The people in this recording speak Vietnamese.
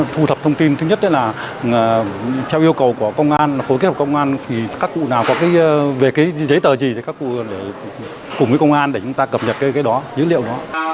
thu thập thông tin thứ nhất là theo yêu cầu của công an phối kết của công an thì các cụ nào có cái về cái giấy tờ gì thì các cụ để cùng với công an để chúng ta cập nhật cái đó dữ liệu đó